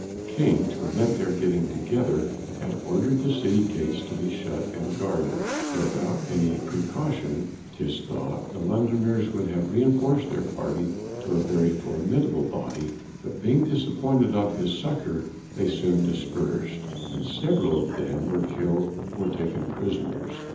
The King, to prevent their getting together, had ordered the City Gates to be shut and guarded, without which precaution 'tis thought the Londoners would have reinforced their party to a very formidable body, but being disappointed of this succour they soon dispersed, and several of them were killed or taken prisoners.